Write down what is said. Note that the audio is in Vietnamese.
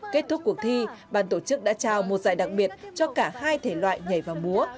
kết thúc cuộc thi bàn tổ chức đã trao một giải đặc biệt cho cả hai thể loại nhảy vào múa